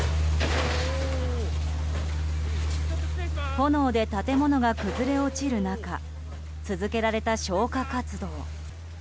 炎で建物が崩れ落ちる中続けられた、消火活動。